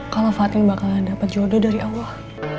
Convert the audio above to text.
kalau fatin bakalan dapat jodoh dari allah